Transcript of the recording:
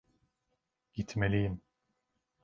Gitmeliyim.